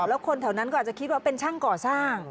แล้วคนแถวนั้นก็อาจจะคิดว่าเป็นช่างก่อสร้าง